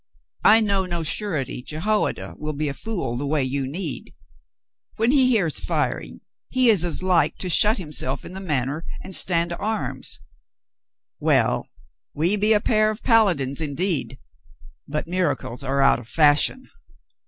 I know no surety Jehoiada will be a fool the way you need. When he hears firing he is as like to shut himself in the Manor and stand to arms. Well, we be a pair of paladins, indeed, but miracles are out of fashion."